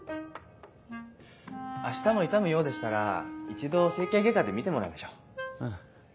明日も痛むようでしたら一度整形外科で診てもらいましょう。